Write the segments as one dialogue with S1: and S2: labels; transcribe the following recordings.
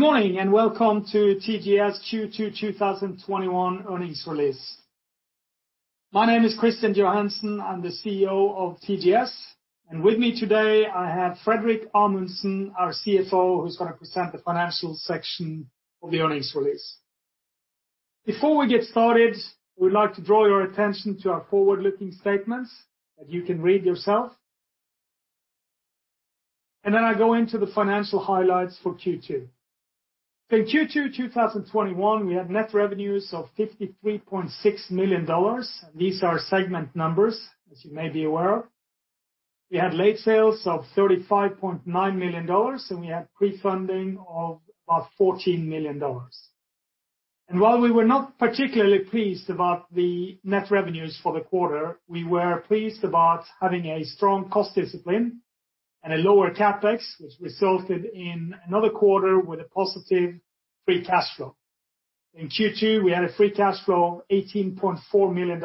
S1: Good morning, and welcome to TGS Q2 2021 earnings release. My name is Kristian Johansen. I'm the CEO of TGS. With me today I have Fredrik Amundsen, our CFO, who's going to present the financial section of the earnings release. Before we get started, we'd like to draw your attention to our forward-looking statements that you can read yourself. I go into the financial highlights for Q2. In Q2 2021, we had net revenues of $53.6 million. These are segment numbers as you may be aware of. We had late sales of $35.9 million, and we had pre-funding of about $14 million. While we were not particularly pleased about the net revenues for the quarter, we were pleased about having a strong cost discipline and a lower CapEx, which resulted in another quarter with a positive free cash flow. In Q2, we had a free cash flow of $18.4 million,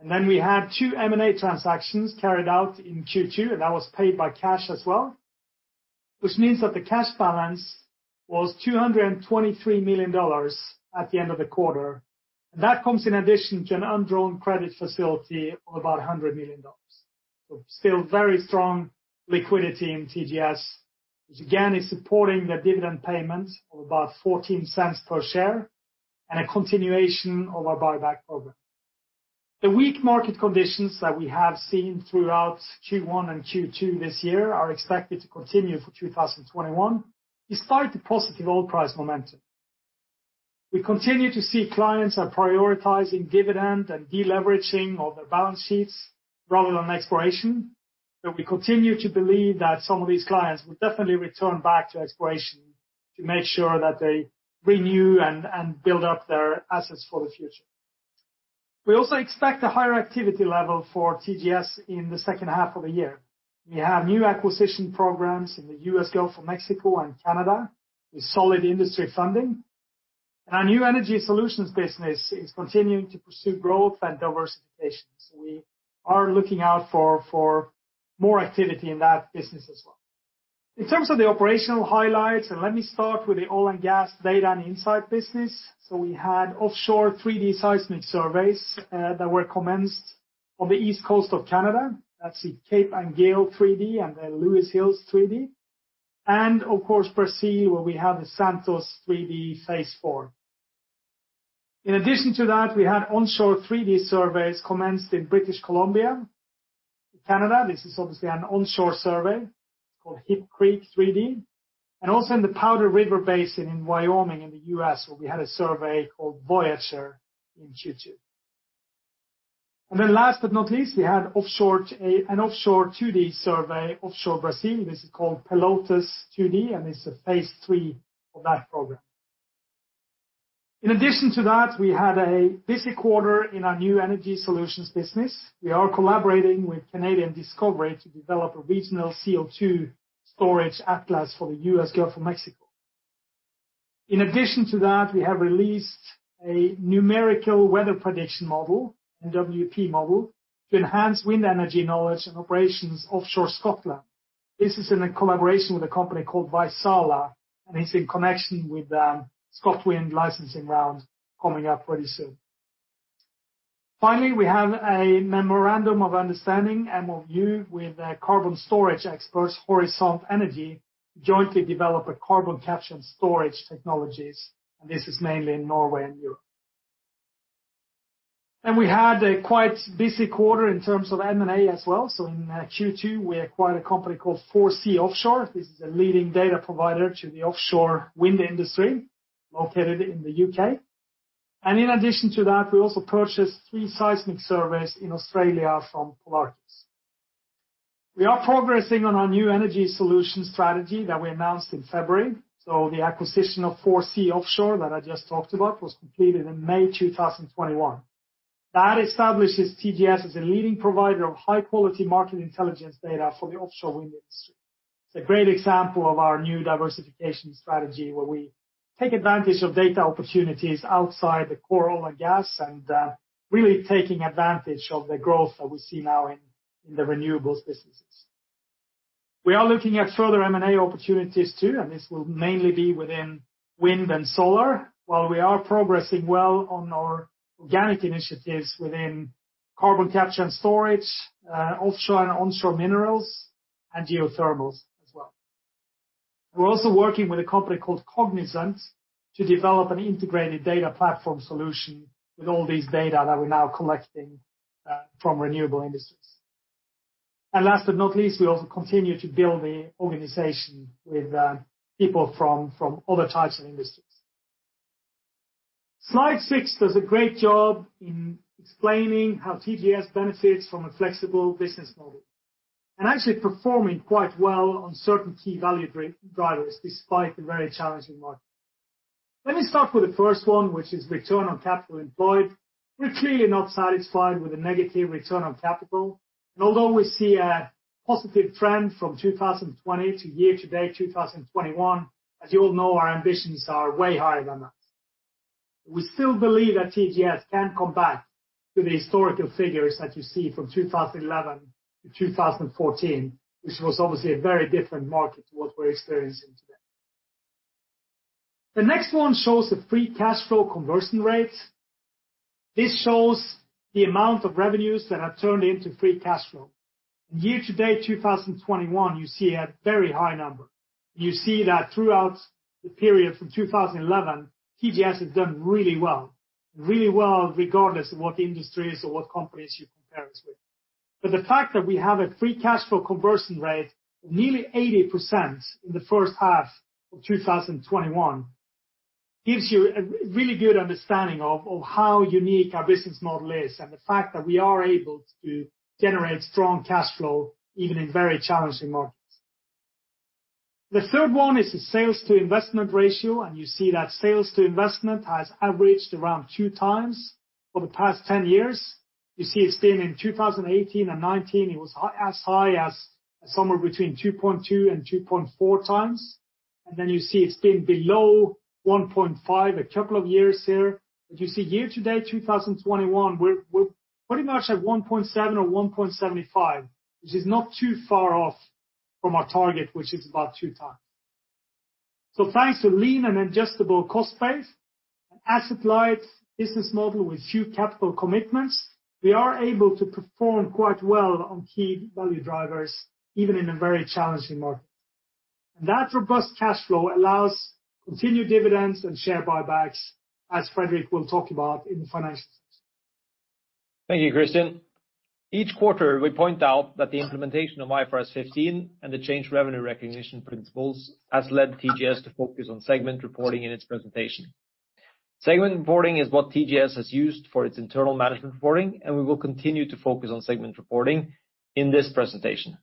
S1: and then we had 2 M&A transactions carried out in Q2, and that was paid by cash as well, which means that the cash balance was $223 million at the end of the quarter. That comes in addition to an undrawn credit facility of about $100 million. Still very strong liquidity in TGS, which again, is supporting the dividend payment of about $0.14 per share and a continuation of our buyback program. The weak market conditions that we have seen throughout Q1 and Q2 this year are expected to continue for 2021, despite the positive oil price momentum. We continue to see clients are prioritizing dividend and deleveraging of their balance sheets rather than exploration, but we continue to believe that some of these clients will definitely return back to exploration to make sure that they renew and build up their assets for the future. We also expect a higher activity level for TGS in the H2 of the year. We have new acquisition programs in the U.S., Gulf of Mexico and Canada with solid industry funding. Our New Energy Solutions business is continuing to pursue growth and diversification. We are looking out for more activity in that business as well. In terms of the operational highlights, and let me start with the oil and gas data and insight business. We had offshore 3D seismic surveys, that were commenced on the East Coast of Canada. That's the Cape Anguille 3D and the Lewis Hills 3D. Of course Brazil, where we have the Santos 3D phase IV. In addition to that, we had onshore 3D surveys commenced in British Columbia, Canada. This is obviously an onshore survey. It's called Hip Creek 3D, and also in the Powder River Basin in Wyoming in the U.S. where we had a survey called Voyager in Q2. Last but not least, we had an offshore 2D survey offshore Brazil. This is called Pelotas 2D, and it's a phase III of that program. In addition to that, we had a busy quarter in our New Energy Solutions business. We are collaborating with Canadian Discovery to develop a regional CO2 Storage Atlas for the U.S. Gulf of Mexico. We have released a numerical weather prediction model, NWP model, to enhance wind energy knowledge and operations offshore Scotland. This is in a collaboration with a company called Vaisala, it's in connection with the ScotWind licensing round coming up pretty soon. We have a memorandum of understanding, MOU, with the carbon storage experts, Horisont Energi, to jointly develop a carbon capture and storage technologies, this is mainly in Norway and Europe. We had a quite busy quarter in terms of M&A as well. In Q2, we acquired a company called 4C Offshore. This is a leading data provider to the offshore wind industry located in the U.K. We also purchased three seismic surveys in Australia from Polarcus. We are progressing on our new energy solution strategy that we announced in February. The acquisition of 4C Offshore that I just talked about was completed in May 2021. That establishes TGS as a leading provider of high-quality market intelligence data for the offshore wind industry. It's a great example of our new diversification strategy, where we take advantage of data opportunities outside the core oil and gas and really taking advantage of the growth that we see now in the renewables businesses. We are looking at further M&A opportunities too, and this will mainly be within wind and solar, while we are progressing well on our organic initiatives within carbon capture and storage, offshore and onshore minerals and geothermals as well. We're also working with a company called Cognizant to develop an integrated data platform solution with all this data that we're now collecting from renewable industries. Last but not least, we also continue to build the organization with people from other types of industries. Slide six does a great job in explaining how TGS benefits from a flexible business model and actually performing quite well on certain key value drivers despite the very challenging market. Let me start with the first one, which is return on capital employed. We're clearly not satisfied with the negative return on capital, and although we see a positive trend from 2020 to year-to-date, 2021, as you all know, our ambitions are way higher than that. We still believe that TGS can come back to the historical figures that you see from 2011-2014, which was obviously a very different market to what we're experiencing today. The next one shows the free cash flow conversion rates. This shows the amount of revenues that have turned into free cash flow. Year to date 2021, you see a very high number. You see that throughout the period from 2011, TGS has done really well. Really well regardless of what industries or what companies you compare us with. The fact that we have a free cash flow conversion rate of nearly 80% in the H1 of 2021 gives you a really good understanding of how unique our business model is, and the fact that we are able to generate strong cash flow even in very challenging markets. The third one is the sales to investment ratio, and you see that sales to investment has averaged around 2x for the past 10 years. You see it's been in 2018 and 2019, it was as high as somewhere between 2.2x and 2.4x. You see it's been below 1.5x a couple of years here. You see year to date 2021, we're pretty much at 1.7x or 1.75x, which is not too far off from our target, which is about 2x. Thanks to lean and adjustable cost base and asset-light business model with few capital commitments, we are able to perform quite well on key value drivers, even in a very challenging market. That robust cash flow allows continued dividends and share buybacks, as Fredrik will talk about in the financial sense.
S2: Thank you, Kristian. Each quarter, we point out that the implementation of IFRS 15 and the changed revenue recognition principles has led TGS to focus on segment reporting in its presentation. Segment reporting is what TGS has used for its internal management reporting, and we will continue to focus on segment reporting in this presentation.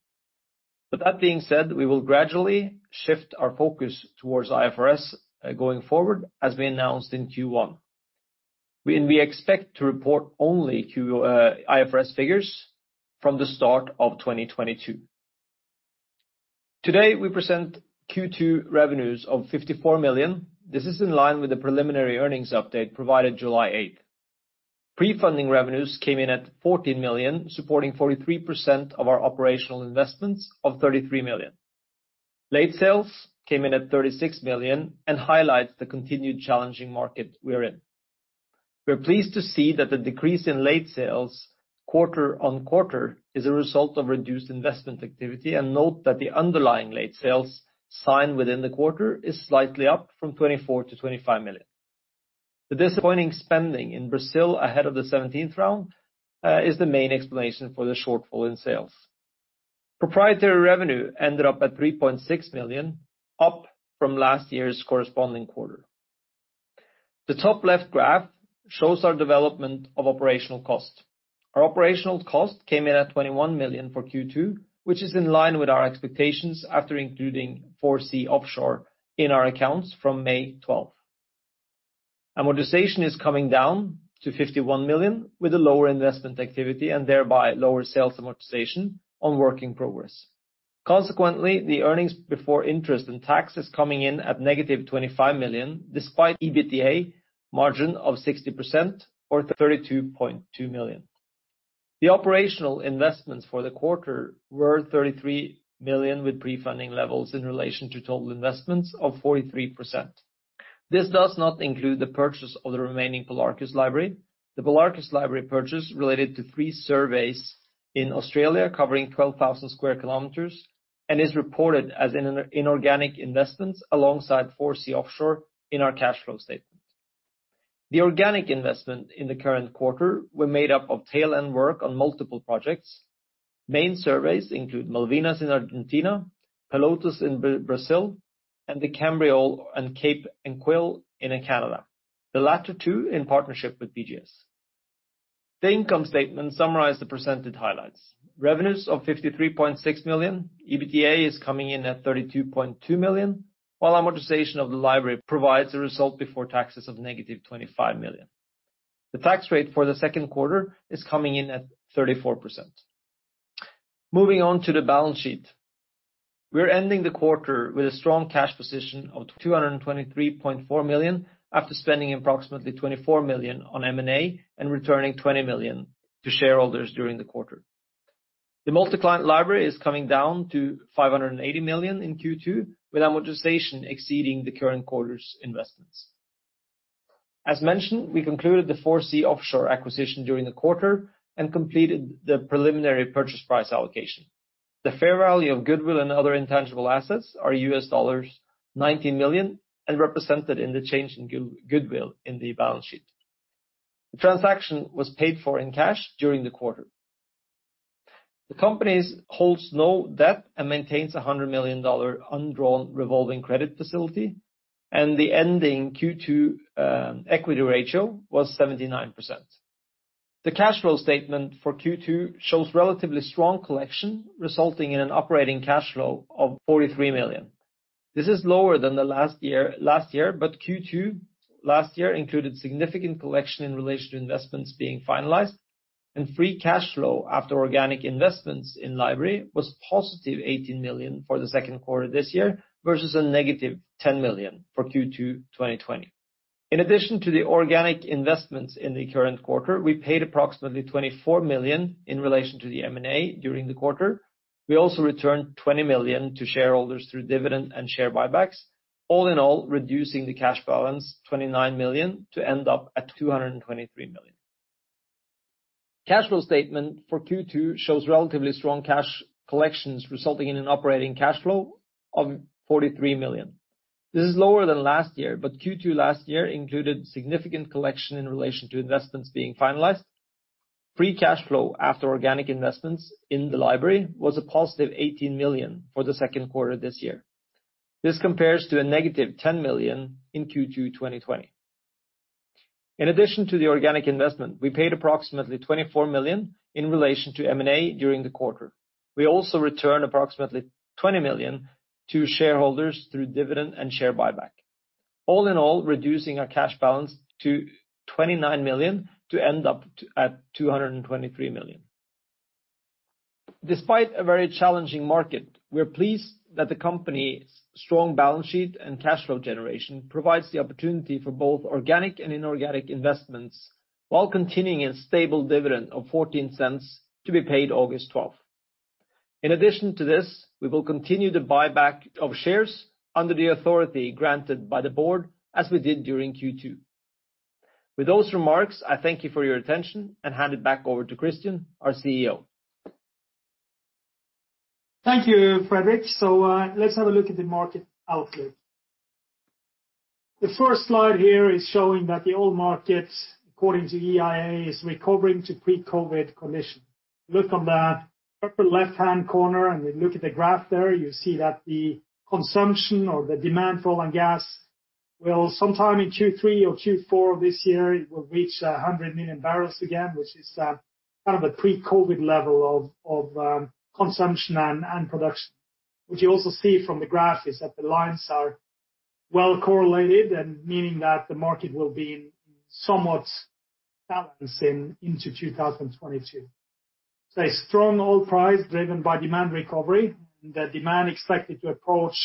S2: That being said, we will gradually shift our focus towards IFRS going forward, as we announced in Q1. We expect to report only IFRS figures from the start of 2022. Today, we present Q2 revenues of $54 million. This is in line with the preliminary earnings update provided July 8th. Pre-funding revenues came in at $14 million, supporting 43% of our operational investments of $33 million. Late sales came in at $36 million and highlights the continued challenging market we're in. We are pleased to see that the decrease in late sales quarter-on-quarter is a result of reduced investment activity. Note that the underlying late sales signed within the quarter is slightly up from $24 million-$25 million. The disappointing spending in Brazil ahead of the 17th round is the main explanation for the shortfall in sales. Proprietary revenue ended up at $3.6 million, up from last year's corresponding quarter. The top left graph shows our development of operational cost. Our operational cost came in at $21 million for Q2, which is in line with our expectations after including 4C Offshore in our accounts from May 12th. Amortization is coming down to $51 million with a lower investment activity and thereby lower sales amortization on working progress. The earnings before interest and tax is coming in at -$25 million, despite EBITDA margin of 60% or $32.2 million. The operational investments for the quarter were $33 million, with pre-funding levels in relation to total investments of 43%. This does not include the purchase of the remaining Polarcus library. The Polarcus library purchase related to three surveys in Australia covering 12,000 sq km, and is reported as inorganic investments alongside 4C Offshore in our cash flow statement. The organic investment in the current quarter were made up of tail end work on multiple projects. Main surveys include Malvinas in Argentina, Pelotas in Brazil, and the Cape Broyle and Cape Anguille in Canada, the latter two in partnership with PGS. The income statement summarized the presented highlights. Revenues of $53.6 million, EBITDA is coming in at $32.2 million, while amortization of the library provides a result before taxes of negative $25 million. The tax rate for the Q2 is coming in at 34%. Moving on to the balance sheet. We are ending the quarter with a strong cash position of $223.4 million after spending approximately $24 million on M&A and returning $20 million to shareholders during the quarter. The multi-client library is coming down to $580 million in Q2, with amortization exceeding the current quarter's investments. As mentioned, we concluded the 4C Offshore acquisition during the quarter and completed the preliminary purchase price allocation. The fair value of goodwill and other intangible assets are $19 million and represented in the change in goodwill in the balance sheet. The transaction was paid for in cash during the quarter. The company holds no debt and maintains $100 million undrawn revolving credit facility, and the ending Q2 equity ratio was 79%. The cash flow statement for Q2 shows relatively strong collection, resulting in an operating cash flow of $43 million. This is lower than the last year, but Q2 last year included significant collection in relation to investments being finalized. Free cash flow after organic investments in library was positive $18 million for the Q2 this year, versus a negative $10 million for Q2 2020. In addition to the organic investments in the current quarter, we paid approximately $24 million in relation to the M&A during the quarter. We also returned $20 million to shareholders through dividend and share buybacks, all in all, reducing the cash balance $29 million to end up at $223 million. Cash flow statement for Q2 shows relatively strong cash collections, resulting in an operating cash flow of $43 million. This is lower than last year. Q2 last year included significant collection in relation to investments being finalized. Free cash flow after organic investments in the library was a positive $18 million for the Q2 this year. This compares to a negative $10 million in Q2 2020. In addition to the organic investment, we paid approximately $24 million in relation to M&A during the quarter. We also returned approximately $20 million to shareholders through dividend and share buyback. All in all, reducing our cash balance $29 million to end up at $223 million. Despite a very challenging market, we are pleased that the company's strong balance sheet and cash flow generation provides the opportunity for both organic and inorganic investments, while continuing a stable dividend of $0.14 to be paid August 12th. In addition to this, we will continue the buyback of shares under the authority granted by the board, as we did during Q2. With those remarks, I thank you for your attention and hand it back over to Kristian, our CEO.
S1: Thank you, Fredrik. Let's have a look at the market outlook. The first slide here is showing that the oil market, according to EIA, is recovering to pre-COVID condition. Look on the upper left-hand corner and then look at the graph there, you see that the consumption or the demand for oil and gas will sometime in Q3 or Q4 of this year, it will reach 100 million barrels again, which is kind of a pre-COVID level of consumption and production. What you also see from the graph is that the lines are well correlated and meaning that the market will be in somewhat balancing into 2022. A strong oil price driven by demand recovery. The demand expected to approach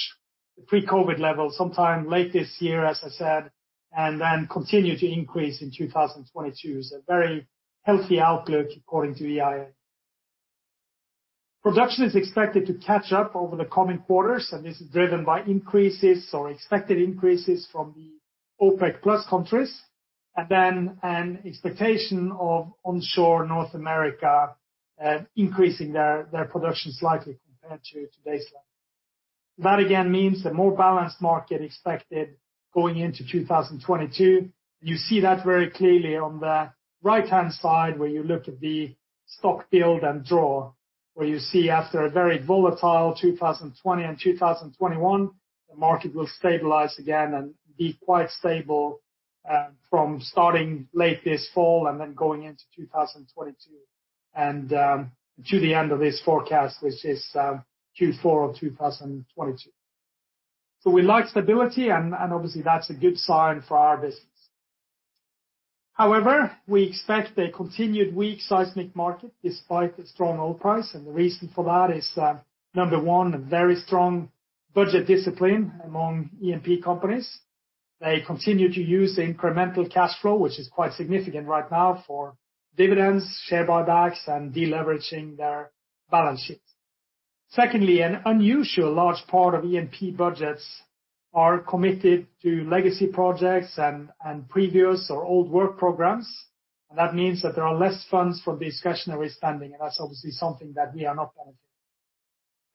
S1: the pre-COVID level sometime late this year, as I said, and then continue to increase in 2022. A very healthy outlook according to EIA. Production is expected to catch up over the coming quarters. This is driven by increases or expected increases from the OPEC Plus countries, and then an expectation of onshore North America increasing their production slightly compared to today's level. That again means a more balanced market expected going into 2022. You see that very clearly on the right-hand side where you look at the stock build and draw, where you see after a very volatile 2020 and 2021, the market will stabilize again and be quite stable from starting late this fall and then going into 2022 and to the end of this forecast, which is Q4 of 2022. We like stability and obviously that's a good sign for our business. However, we expect a continued weak seismic market despite the strong oil price. The reason for that is, number one, a very strong budget discipline among E&P companies. They continue to use the incremental cash flow, which is quite significant right now for dividends, share buybacks, and deleveraging their balance sheet. Secondly, an unusual large part of E&P budgets are committed to legacy projects and previous or old work programs. That means that there are less funds for discretionary spending. That's obviously something that we are not benefiting.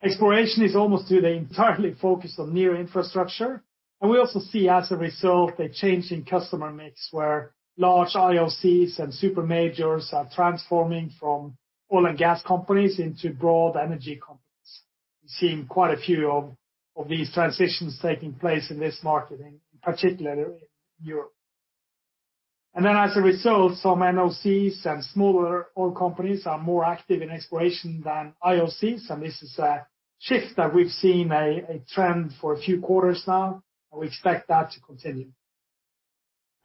S1: Exploration is almost entirely focused on new infrastructure. We also see as a result, a change in customer mix where large IOCs and super majors are transforming from oil and gas companies into broad energy companies. We've seen quite a few of these transitions taking place in this market, in particular in Europe. Then as a result, some NOCs and smaller oil companies are more active in exploration than IOCs. This is a shift that we've seen a trend for a few quarters now, and we expect that to continue.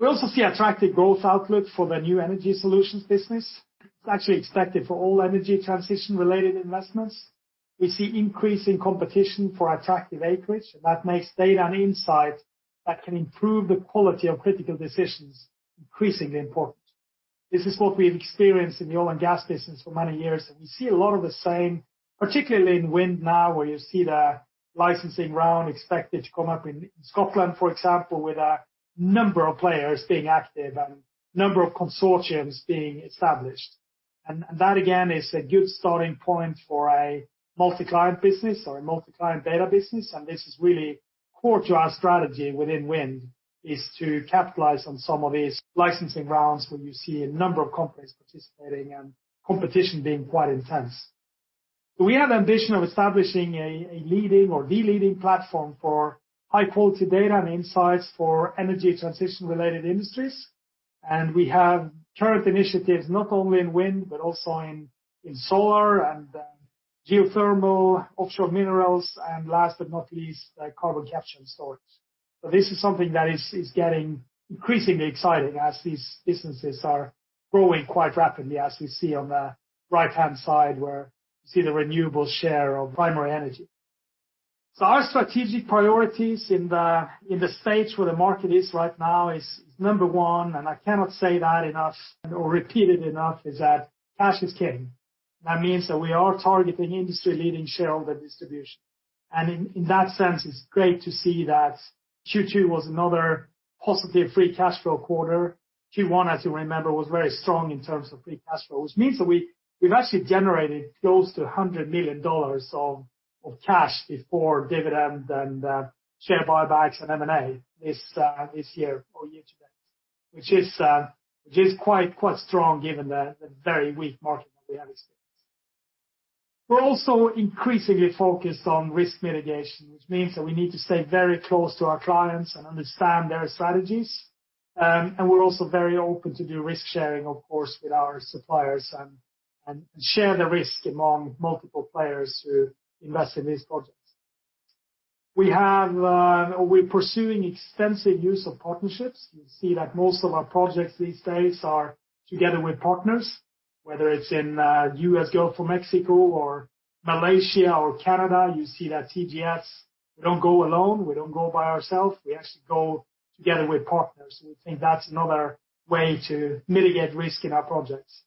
S1: We also see attractive growth outlook for the New Energy Solutions business. It's actually expected for all energy transition-related investments. We see increasing competition for attractive acreage, and that makes data and insight that can improve the quality of critical decisions increasingly important. This is what we have experienced in the oil and gas business for many years, and we see a lot of the same, particularly in wind now, where you see the licensing round expected to come up in Scotland, for example, with a number of players being active and number of consortiums being established. That again is a good starting point for a multi-client business or a multi-client data business. This is really core to our strategy within wind, is to capitalize on some of these licensing rounds where you see a number of companies participating and competition being quite intense. We have ambition of establishing a leading or the leading platform for high-quality data and insights for energy transition-related industries. We have current initiatives not only in wind, but also in solar, geothermal, offshore minerals, and last but not least, carbon capture and storage. This is something that is getting increasingly exciting as these businesses are growing quite rapidly, as we see on the right-hand side, where you see the renewable share of primary energy. Our strategic priorities in the stage where the market is right now is, number one, and I cannot say that enough or repeat it enough, is that cash is king. That means that we are targeting industry-leading shareholder distribution. In that sense, it's great to see that Q2 was another positive free cash flow quarter. Q1, as you remember, was very strong in terms of free cash flow, which means that we've actually generated close to $100 million of cash before dividend and share buybacks and M&A this year or year-to-date, which is quite strong given the very weak market that we have experienced. We're also increasingly focused on risk mitigation, which means that we need to stay very close to our clients and understand their strategies. We're also very open to do risk sharing, of course, with our suppliers and share the risk among multiple players who invest in these projects. We're pursuing extensive use of partnerships. You can see that most of our projects these days are together with partners, whether it's in U.S. Gulf of Mexico or Malaysia or Canada. You see that TGS, we don't go alone. We don't go by ourselves. We actually go together with partners, and we think that's another way to mitigate risk in our projects.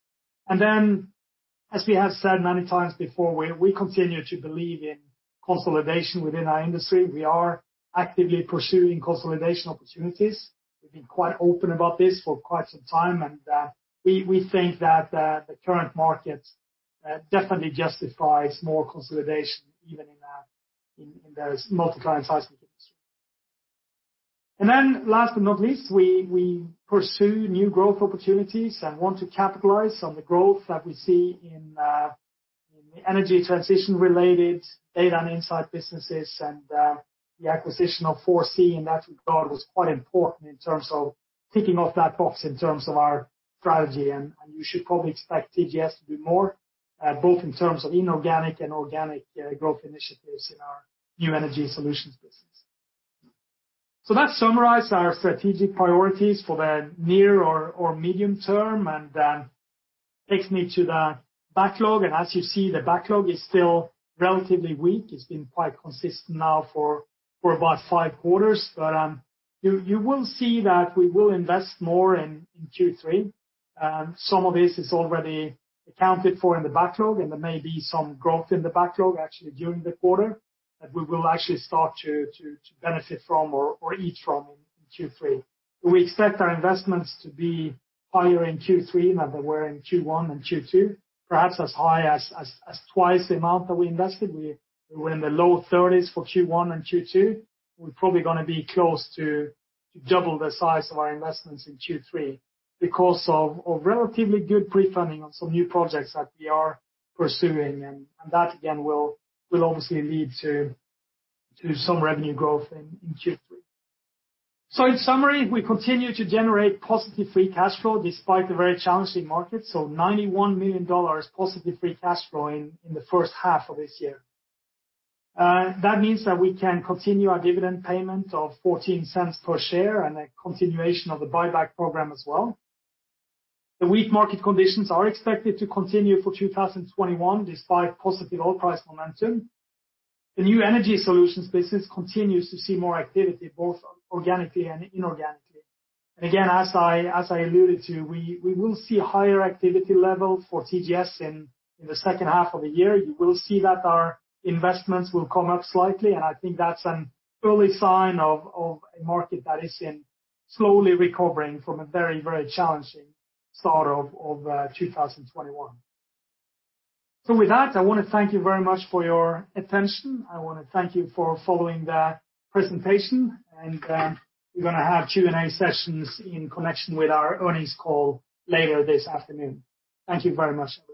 S1: As we have said many times before, we continue to believe in consolidation within our industry. We are actively pursuing consolidation opportunities. We've been quite open about this for quite some time, and we think that the current market definitely justifies more consolidation even in the multi-client seismic industry. Last but not least, we pursue new growth opportunities and want to capitalize on the growth that we see in the energy transition-related data and insight businesses and the acquisition of 4C, and that we thought was quite important in terms of ticking off that box in terms of our strategy. You should probably expect TGS to do more, both in terms of inorganic and organic growth initiatives in our New Energy Solutions business. That summarized our strategic priorities for the near or medium term and takes me to the backlog. As you see, the backlog is still relatively weak. It's been quite consistent now for about five quarters. You will see that we will invest more in Q3. Some of this is already accounted for in the backlog, and there may be some growth in the backlog actually during the quarter that we will actually start to benefit from or eat from in Q3. We expect our investments to be higher in Q3 than they were in Q1 and Q2, perhaps as high as twice the amount that we invested. We were in the low 30s for Q1 and Q2. We're probably going to be close to double the size of our investments in Q3 because of relatively good pre-funding on some new projects that we are pursuing. That again will obviously lead to some revenue growth in Q3. In summary, we continue to generate positive free cash flow despite the very challenging market. $91 million positive free cash flow in the H1 of this year. That means that we can continue our dividend payment of $0.14 per share and a continuation of the buyback program as well. The weak market conditions are expected to continue for 2021, despite positive oil price momentum. The New Energy Solutions business continues to see more activity both organically and inorganically. Again, as I alluded to, we will see higher activity level for TGS in the H2 of the year. You will see that our investments will come up slightly, and I think that's an early sign of a market that is in slowly recovering from a very challenging start of 2021. With that, I want to thank you very much for your attention. I want to thank you for following the presentation. We're going to have Q&A sessions in connection with our earnings call later this afternoon. Thank you very much, everyone.